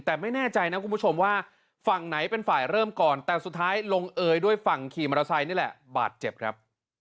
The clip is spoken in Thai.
แต่ไม่แน่ใจนะคุณผู้ชมว่าฝั่งไหนเป็นฝ่ายเริ่มก่อนแต่สุดท้ายลงเอยด้วยฝั่งขี่มอเตอร์ไซค์นี่แหละบาดเจ็บครับ